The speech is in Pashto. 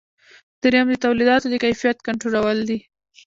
دریم د تولیداتو د کیفیت کنټرولول دي.